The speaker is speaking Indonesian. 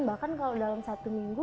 bahkan kalau dalam satu minggu